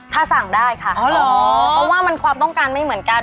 ถ้าสั่งได้ค่ะอ๋อเหรอเพราะว่ามันความต้องการไม่เหมือนกัน